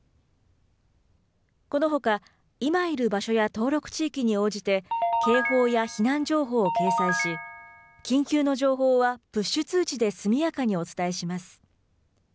このほか、今いる場所や登録地域に応じて、警報や避難情報を掲載し、緊急の情報はプッシュ通知で速やかにお伝えします。